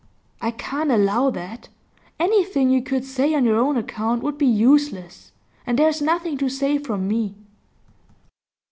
'I can't allow that. Anything you could say on your own account would be useless, and there is nothing to say from me.